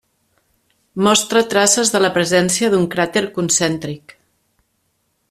Mostra traces de la presència d'un cràter concèntric.